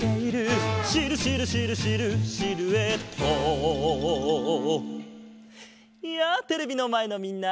「シルシルシルシルシルエット」やあテレビのまえのみんな！